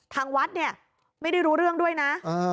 ทางวัดเนี่ยไม่ได้รู้เรื่องด้วยนะ